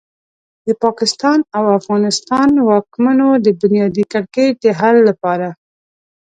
د پاکستان او افغانستان واکمنو د بنیادي کړکېچ د حل لپاره.